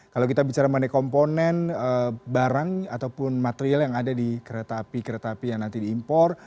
kalau kita bicara mengenai komponen barang ataupun material yang ada di kereta api kereta api yang nanti diimpor